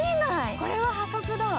これは破格だわ。